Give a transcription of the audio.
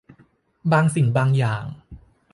บางสิ่งบางอย่าง